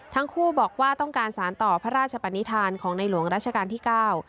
ทั้งคู่บอกว่าต้องการสารต่อพระราชปนิษฐานของในหลวงรัชกาลที่เก้า